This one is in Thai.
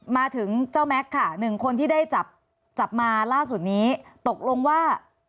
มาถึงเจ้าแม็กซ์ค่ะหนึ่งคนที่ได้จับจับมาล่าสุดนี้ตกลงว่า